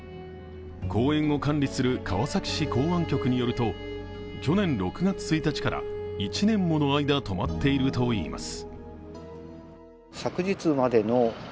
公園を管理する川崎市港湾局によると去年６月１日から１年もの間止まっているといいます。